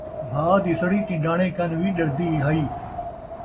بھا دی سڑی ٹن٘ڈاݨے کن وی ݙردی ہئی